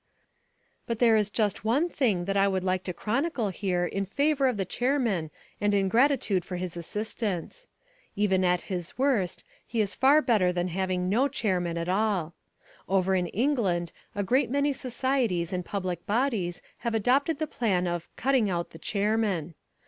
But there is just one thing that I would like to chronicle here in favour of the chairman and in gratitude for his assistance. Even at his worst he is far better than having no chairman at all. Over in England a great many societies and public bodies have adopted the plan of "cutting out the chairman."